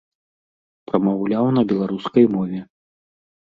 Прамаўляў на беларускай мове.